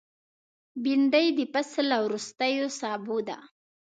بېنډۍ د فصل له وروستیو سابو ده